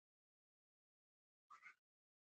خپل زیارتونه او پیران مې ټول په لاره وننګول.